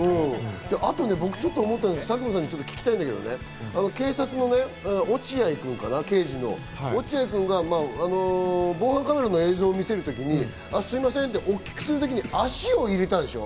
あと僕がちょっと思って佐久間さんに聞きたいのが、警察の落合君が防犯カメラの映像を見せる時に、あっ、すいません！って大きくする時に足を入れたでしょ？